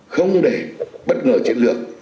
không để bất ngờ chiến lược